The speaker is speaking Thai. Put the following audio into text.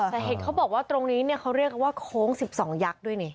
แต่เห็นเขาบอกว่าตรงนี้เนี่ยเขาเรียกว่าโค้ง๑๒ยักษ์ด้วยนี่